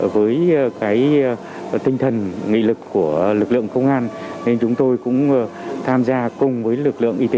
với cái tinh thần nghị lực của lực lượng công an chúng tôi cũng tham gia cùng với lực lượng y tế